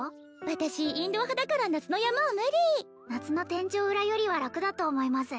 私インドア派だから夏の山は無理夏の天井裏よりは楽だと思います